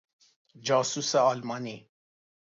جاسوس آلمانی